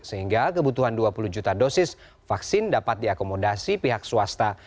sehingga kebutuhan dua puluh juta dosis vaksin dapat diakomodasi pihak swasta